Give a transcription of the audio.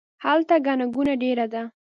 هلته ګڼه ګوڼه ډیره ده